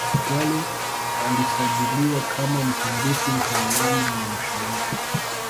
Mfugale alisajiliwa kama mhandisi mtaalamu na mshauri